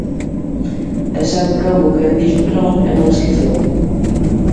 E sempre houbo quen dixo que non e non esqueceu.